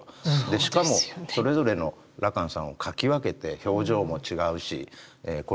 しかもそれぞれの羅漢さんを描き分けて表情も違うし衣の紋様も違うし。